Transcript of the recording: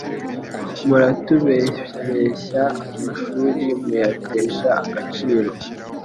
Muratubeshyabeshya amashuri muyatesha agaciro